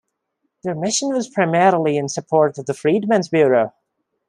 Their mission was primarily in support of the Freedmen's Bureau.